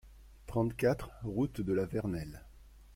trente-quatre route de la Vernelle